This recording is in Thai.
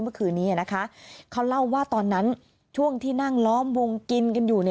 เมื่อคืนนี้นะคะเขาเล่าว่าตอนนั้นช่วงที่นั่งล้อมวงกินกันอยู่